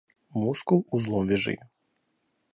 Мускул узлом вяжи.